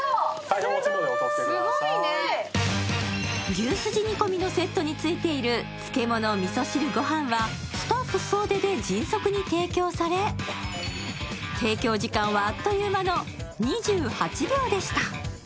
牛すじ煮込みのセットについている漬物、みそ汁、ごはんはスタッフ総出で迅速に提供され提供時間は、あっという間の２８秒でした。